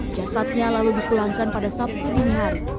jasadnya lalu dipulangkan pada sabtu dini hari